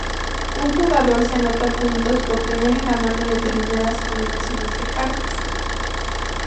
Un jugador se anota puntos por tener en la mano determinadas combinaciones de cartas.